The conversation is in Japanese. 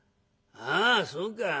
「ああそうか。